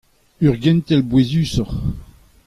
Ur gentel bouezusoc'h.